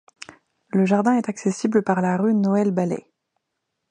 Le jardin est accessible par la rue Noël-Ballay.